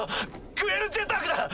グエル・ジェタークだ！